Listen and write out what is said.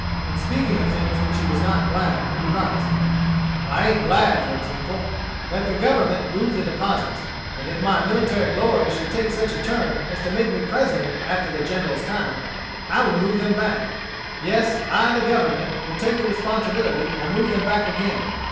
In speaking of things of which he was not glad, he writes: "I ain't glad, for example, that the Government moved the deposits; and if my military glory should take such a turn as to make me President after the General's time, I will move them back. Yes, I the Government, will take the responsibility, and move them back again.